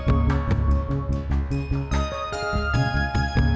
tapi aku belum menanggung